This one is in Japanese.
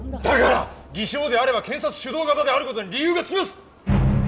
だから偽証であれば検察主導型である事に理由がつきます！